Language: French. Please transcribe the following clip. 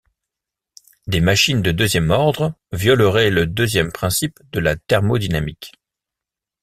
Des machines de deuxième ordre violeraient le deuxième principe de la thermodynamique.